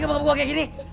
gak mau gue kayak gini